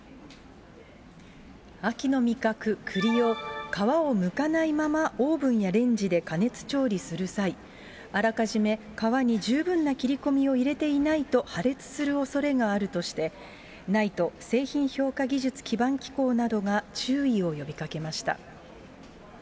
秋の味覚、くりを皮をむかないままオーブンやレンジで加熱調理する際、あらかじめ皮に十分な切り込みを入れていないと破裂するおそれがあるとして、ＮＩＴＥ・製品評価技術基盤機構などが注意を呼びかけました。